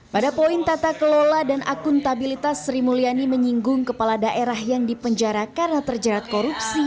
pada poin tata kelola dan akuntabilitas sri mulyani menyinggung kepala daerah yang dipenjara karena terjerat korupsi